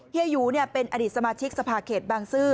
เฮียอยู่เนี่ยเป็นอดีตสมาชิกสภาคเขตบางซื่อ